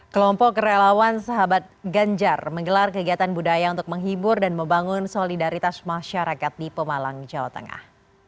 kelompok relawan sahabat ganjar menggelar kegiatan budaya untuk menghibur dan membangun solidaritas masyarakat di pemalang jawa tengah